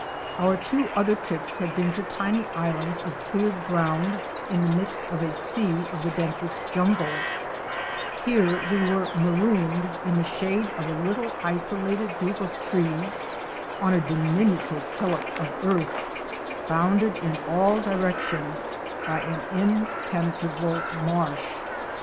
Our two other trips had been to tiny islands of cleared ground in the midst of a sea of the densest jungle; here we were marooned in the shade of a little isolated group of trees on a diminutive hillock of earth, bounded in all directions by an impenetrable marsh.